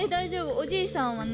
おじいさんはね